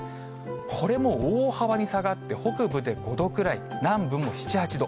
これも大幅に下がって、北部で５度くらい、南部も７、８度。